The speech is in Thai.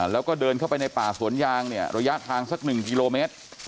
แล้วก็เดินเข้าไปในป่าสวนยางเนี่ยระยะทางสัก๑กิโลเมตร